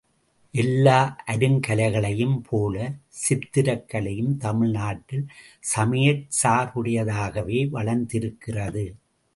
எல்லா அருங்கலைகளையும் போல, சித்திரக்கலையும் தமிழ்நாட்டில் சமயச் சார்புடையதாகவே வளர்ந்திருக்கிறது.